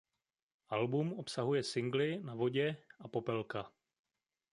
Album obsahuje singly Na vodě a Popelka.